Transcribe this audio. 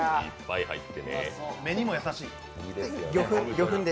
目にも優しい。